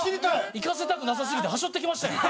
行かせたくなさすぎてはしょってきましたやん。